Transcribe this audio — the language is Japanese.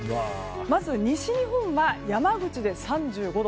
まず西日本は山口で３５度。